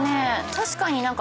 確かに。